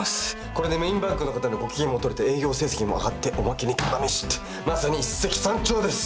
これでメインバンクの方のご機嫌もとれて営業成績も上がっておまけにただ飯ってまさに一石三鳥です！